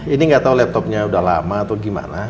ini gak tau laptopnya udah lama atau gimana